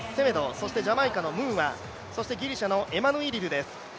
そしてジャマイカのムーア、ジャマイカのエマヌイリドゥです。